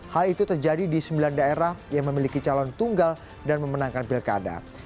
hal itu terjadi di sembilan daerah yang memiliki calon tunggal dan memenangkan pilkada